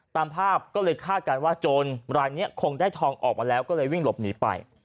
ตามภาพก็เลยคาดการณ์ว่าโจรรายนี้คงได้ทองออกมาแล้วก็เลยวิ่งหลบหนีไป